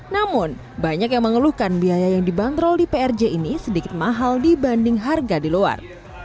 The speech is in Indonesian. namun banyak yang mengeluhkan biaya yang dibanderol di prj ini sedikit mahal dibanding harga di luar